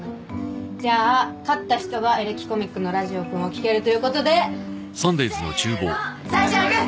じゃあ勝った人が「エレキコミックのラジオ君」を聴けるということでせーの最初はグー！